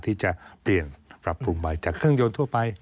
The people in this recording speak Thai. ที่จะเปลี่ยนปรับปรุงใหม่จากเครื่องยนต์ทั่วไป